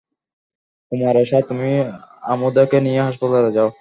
কুমারেসা, তুমি আমুধাকে নিয়ে হাসপাতালে যাও।